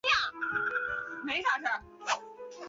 穆图人口变化图示